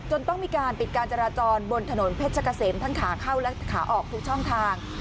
ต้องมีการปิดการจราจรบนถนนเพชรเกษมทั้งขาเข้าและขาออกทุกช่องทาง